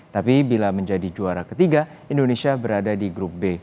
tapi bila menjadi juara ketiga indonesia berada di grup b